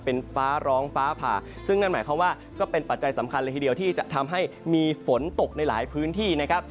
เป็นฟ้าร้องฟ้าผ่าซึ่งนั่นหมายความว่าก็เป็นปัจจัยสำคัญเลยทีเดียวที่จะทำให้มีฝนตกในหลายพื้นที่นะครับ